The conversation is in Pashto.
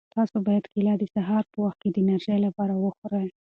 تاسو باید کیله د سهار په وخت کې د انرژۍ لپاره وخورئ.